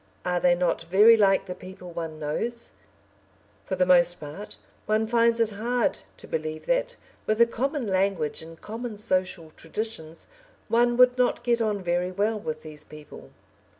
Are they not very like the people one knows? For the most part, one finds it hard to believe that, with a common language and common social traditions, one would not get on very well with these people.